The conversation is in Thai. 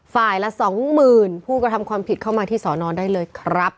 ละสองหมื่นผู้กระทำความผิดเข้ามาที่สอนอนได้เลยครับ